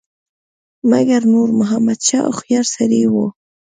مګر نور محمد شاه هوښیار سړی وو.